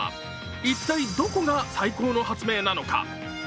一体、どこが最高の発明なのか？